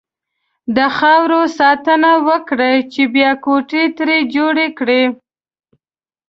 د خاورې ساتنه وکړئ! چې بيا کوټې ترې جوړې کړئ.